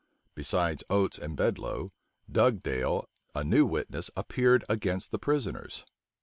Besides Oates and Bedloe, Dugdale, a new witness, appeared against the prisoners.